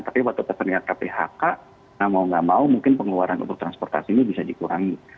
tapi waktu ternyata phk nah mau nggak mau mungkin pengeluaran untuk transportasi ini bisa dikurangi